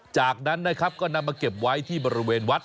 จากนั้นนะครับก็นำมาเก็บไว้ที่บริเวณวัด